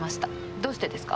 どうしてですか？